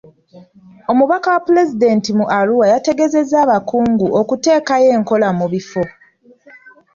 Omubaka wa pulezidenti mu Arua yategeezezza abakungu okuteekayo enkola mu bifo.